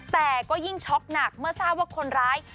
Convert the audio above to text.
แต่ก็ยิ่งช็อกหนักเมื่อทราบว่าคนร้าย